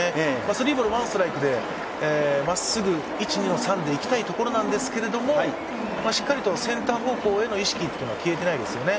スリーボール・ワンストライクでまっすぐ、１、２の３でいきたいところなんですけど、しっかりとセンター方向への意識は消えていないですよね。